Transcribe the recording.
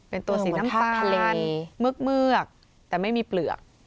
เป็นตัวสีน้ำตาลเมือกแต่ไม่มีเปลือก